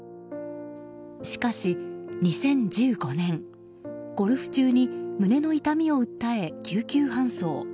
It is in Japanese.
しかし２０１５年、ゴルフ中に胸の痛みを訴え救急搬送。